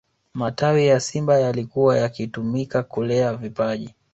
matawi ya simba yalikuwa yakitumika kulea vipaji